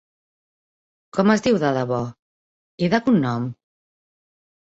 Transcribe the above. Com es diu de debò, i de cognom?